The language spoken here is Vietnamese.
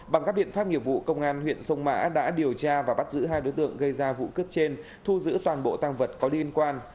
bằng các biện pháp nghiệp vụ công an huyện sông mã đã điều tra và bắt giữ hai đối tượng gây ra vụ cướp trên thu giữ toàn bộ tăng vật có liên quan